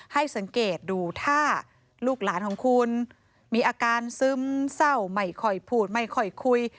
ให้สังเกตดูถ้าลูกหลานของคุณมีอาการซึมเศร้าไม่ค่อยพูดไม่ค่อยคุย